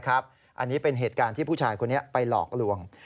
อันนี้เป็นเหตุการณ์ที่ผู้ชายคนนี้ไปหลอกลวง